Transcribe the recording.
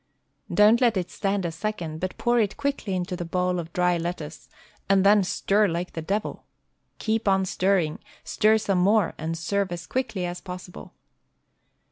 Don't let it stand a second, but pour it quickly into the bowl of dry lettuce, and then stir like the devil. Keep on stirring; stir some more, and serve as quickly as possible.